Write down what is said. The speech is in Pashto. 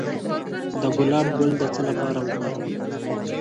د ګلاب ګل د څه لپاره وکاروم؟